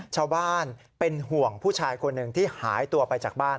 ชาวบ้านเป็นห่วงผู้ชายคนหนึ่งที่หายตัวไปจากบ้าน